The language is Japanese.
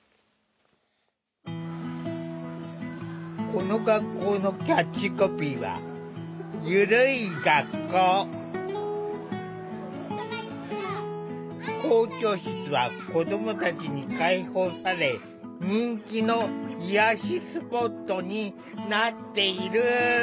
この学校のキャッチコピーは校長室は子どもたちに開放され人気の癒やしスポットになっている。